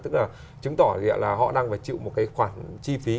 tức là chứng tỏ họ đang phải chịu một khoản chi phí